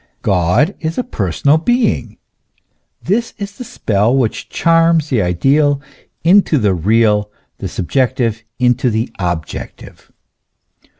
God is a personal being : this is the spell, which charms the ideal into the real, the subjective into the objective.